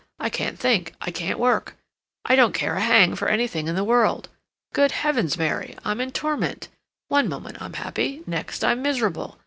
I can't think, I can't work, I don't care a hang for anything in the world. Good Heavens, Mary! I'm in torment! One moment I'm happy; next I'm miserable.